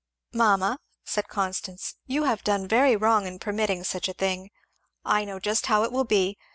"Mamma," said Constance, "you have done very wrong in permitting such a thing. I know just how it will be.